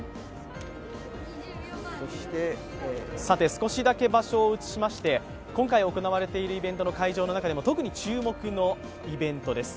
少しだけ場所を移しまして今回行われているイベントの会場の中でも特に注目のイベントです。